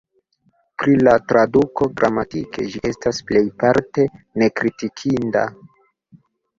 Pri la traduko: gramatike, ĝi estas plejparte nekritikinda.